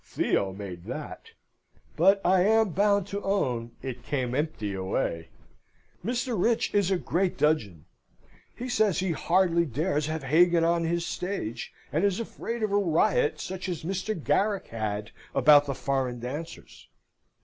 "Theo made that. But I am bound to own it came empty away. Mr. Rich is in great dudgeon. He says he hardly dares have Hagan on his stage, and is afraid of a riot, such as Mr. Garrick had about the foreign dancers.